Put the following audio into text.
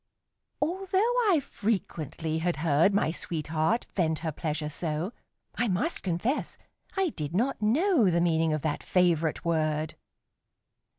Although I frequently had heard My sweetheart vent her pleasure so, I must confess I did not know The meaning of that favorite word.